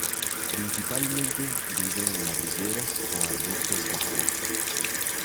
Principalmente vive en madrigueras o arbustos bajos.